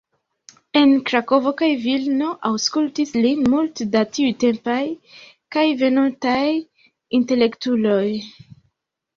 En Krakovo kaj Vilno aŭskultis lin multe da tiutempaj kaj venontaj intelektuloj.